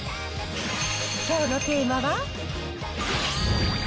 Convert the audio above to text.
きょうのテーマは。